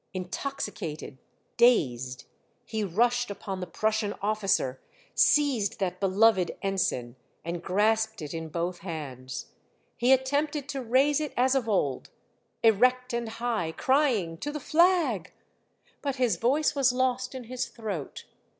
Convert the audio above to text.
Intoxicated, dazed, he rushed upon the Prussian officer, seized that beloved ensign, and grasped it in both hands. He attempted to raise it as of old, erect and highj crying, *'To the flag !" but his voice was lost in his throat.